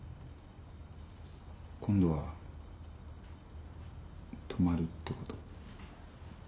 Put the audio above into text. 今度は泊まるってこと？